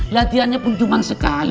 latihannya pun cuma sekali